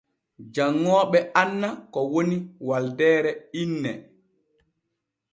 Janŋooɓe anna ko woni waldeere inne.